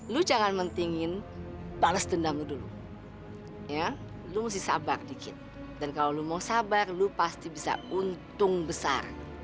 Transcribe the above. lo jangan mentingin balas dendam lo dulu ya lo mesti sabar dikit dan kalau lo mau sabar lo pasti bisa untung besar